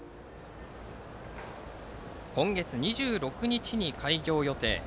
今月２６日に開業予定。